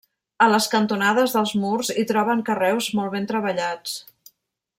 A les cantonades dels murs hi troben carreus molt ben treballats.